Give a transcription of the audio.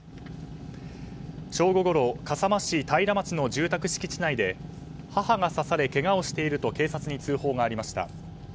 正午ごろ笠間市平町の住宅敷地内で母が刺され、けがをしていると警察に通報がありました。